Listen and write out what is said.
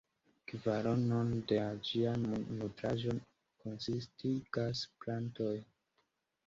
Kvaronon da ĝia nutraĵo konsistigas plantoj.